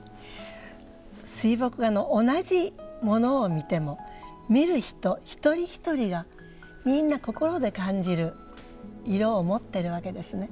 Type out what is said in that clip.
水墨画の同じものを見ても見る人一人一人がみんな心で感じる色を持ってるわけですね。